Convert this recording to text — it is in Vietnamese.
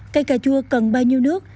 cây cà chua cần bao nhiêu nước